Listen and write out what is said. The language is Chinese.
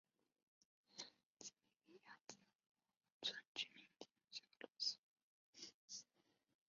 季米里亚泽沃农村居民点是俄罗斯联邦沃罗涅日州新乌斯曼区所属的一个农村居民点。